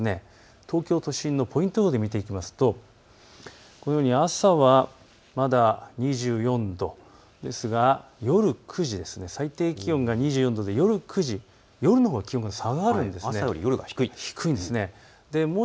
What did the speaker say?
東京都心のポイント予報で見ていくと朝はまだ２４度、ですが夜９時、最低気温が２４度で、夜９時、夜のほうが気温が下がるんです。